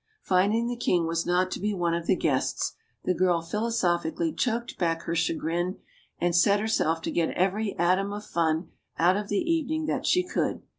Finding the king was not to be one of the guests the girl philosophically choked back her chagrin and set herself to get every atom of fun out of the evening that she could.